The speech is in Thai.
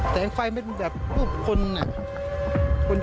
แสงไฟมันแบบคุณเนี่ย